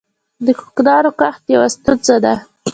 د کوکنارو کښت یوه ستونزه ده